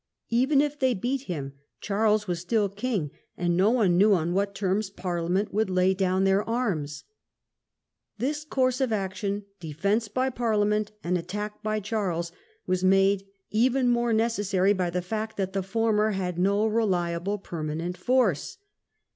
Even if they beat him Charles was still king, and no one knew on what terms Parliament would lay down their arms. This course of action, defence by Parliament and attack by Charles, was made even more necessary by the fact that the former had no reliable permanent force.